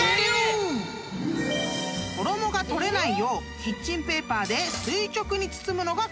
［衣が取れないようキッチンペーパーで垂直に包むのがコツ］